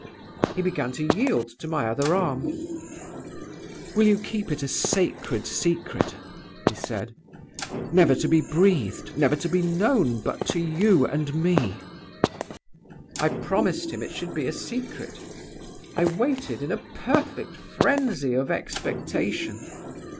"He began to yield to my other arm. "'Will you keep it a sacred secret?' he said. 'Never to be breathed never to be known but to you and me?' "I promised him it should be a secret. I waited in a perfect frenzy of expectation.